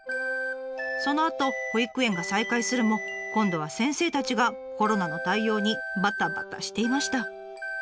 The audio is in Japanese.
そのあと保育園が再開するも今度は先生たちがコロナの対応にバタバタしていました。